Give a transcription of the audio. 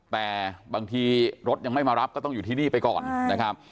แต่บางทีรถยังไม่มารับก็ต้องอยู่ที่นี่ไปก่อนนะครับ